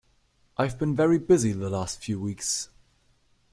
I've been very busy the last few weeks.